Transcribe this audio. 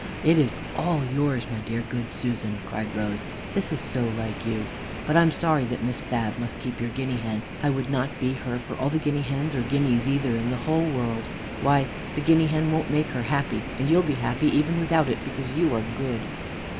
"It is all yours, my dear, good Susan!" cried Rose. "This is so like you! but I'm sorry that Miss Bab must keep your guinea hen. I would not be her for all the guinea hens, or guineas either, in the whole world. Why, the guinea hen won't make her happy, and you'll be happy even without it, because you are good.